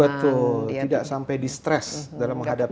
betul tidak sampai distres dalam menghadapi